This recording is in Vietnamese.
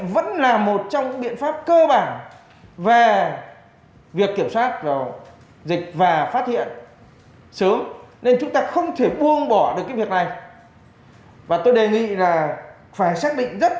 và tôi đề nghị là phải xét định rất rõ các cái đối tượng cần phải xét nghiệm